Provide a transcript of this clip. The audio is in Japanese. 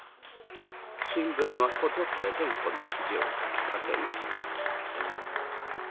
新聞はこぞって蓮子の記事を書き立てました。